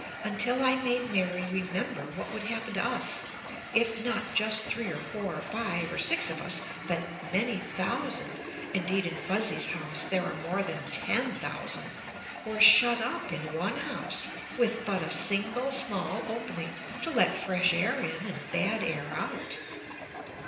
Until I made Mary remember what would happen to us if not just three or four or five or six of us, but many thousand indeed in Fuzzy's house there are more than ten thousand were shut up in one house with but a single small opening to let fresh air in and bad air out.